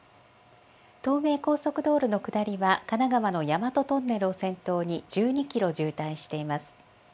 東名高速道路の下りは神奈川の大和トンネルを先頭に１２キロ渋滞しています。